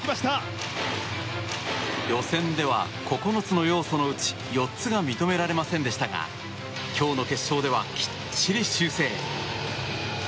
予選では９つの要素のうち４つが認められませんでしたが今日の決勝ではきっちり修正。